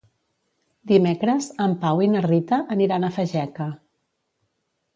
Dimecres en Pau i na Rita aniran a Fageca.